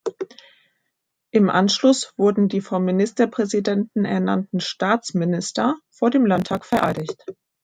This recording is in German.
Im Anschluss wurden die vom Ministerpräsidenten ernannten Staatsminister vor dem Landtag vereidigt.